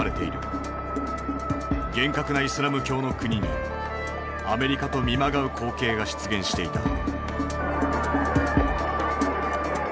厳格なイスラム教の国にアメリカと見まがう光景が出現していた。